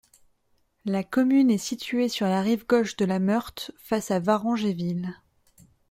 La commune est située sur la rive gauche de la Meurthe face à Varangéville.